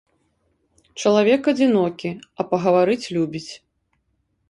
Чалавек адзінокі, а пагаварыць любіць.